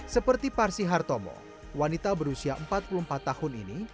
seperti parsi hartomo wanita berusia empat puluh empat tahun ini